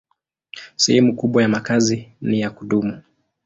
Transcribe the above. Sehemu kubwa ya makazi ni ya kudumu.